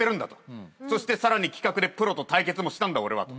そしてさらに企画でプロと対決もしたんだ俺はと。